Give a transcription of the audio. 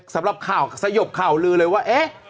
สำหรับข่าวสยบข่าวลือเลยว่าเอ๊ะ